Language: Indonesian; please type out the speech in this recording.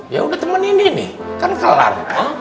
ya udah temen ini nih kan kelar